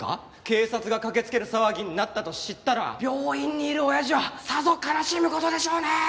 警察が駆けつける騒ぎになったと知ったら病院にいる親父はさぞ悲しむ事でしょうね！